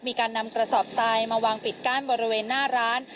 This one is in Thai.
มีการนำกระสอบทรายมาวางปิดกั้นบริเวณหน้าร้าน